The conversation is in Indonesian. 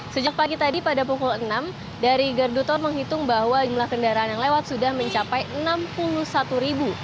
sejak pagi tadi pada pukul enam dari gerdu tol menghitung bahwa jumlah kendaraan yang lewat sudah mencapai enam puluh satu ribu